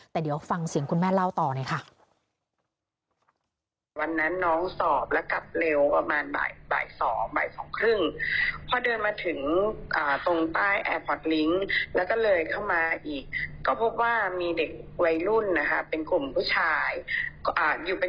แต่เดี๋ยวฟังเสียงคุณแม่เล่าต่อหน่อยค่ะ